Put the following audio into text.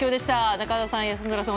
中澤さん、安村さん